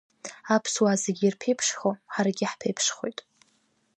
Аԥсуаа зегьы ирԥеиԥшхо, ҳаргьы иаҳԥеиԥшхоит.